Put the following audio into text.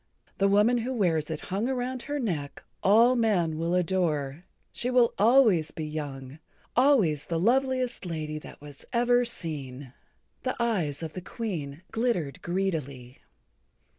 The woman who wears it hung around her neck all men will adore. She will always be young, always the loveliest lady that was ever seen." The eyes of the Queen glittered greedily.